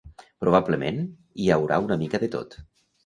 Probablement, hi haurà una mica de tot.